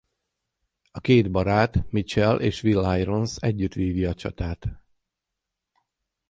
A két barát Mitchell és Will Irons együtt vívja a csatát.